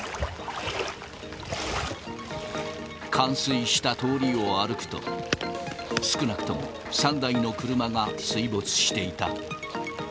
冠水した通りを歩くと、少なくとも３台の車が水没していた。